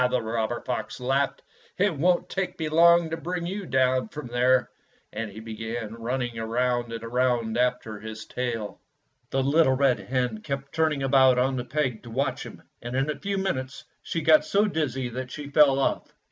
the robber fox laughed, "it won't take me long to bring you down from there." And he began running round and round after his tail. The little red hen kept turning about on the peg to watch him, and in a few minutes she got so dizzy that she fell off.